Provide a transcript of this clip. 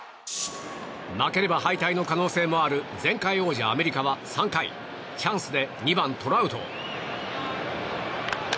負ければ敗退の可能性もある前回王者アメリカは３回チャンスで２番、トラウト。